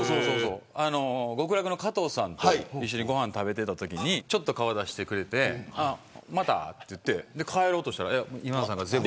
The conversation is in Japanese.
極楽の加藤さんと一緒にご飯を食べていたときにちょっと顔を出してくれてまたって帰ろうとしたら今田さんが全部。